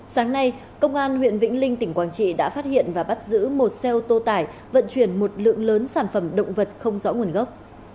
sáng nay công an huyện vĩnh linh tỉnh quảng trị đã phát hiện và bắt giữ một xe ô tô tải vận chuyển một lượng lớn sản phẩm động vật không rõ nguồn gốc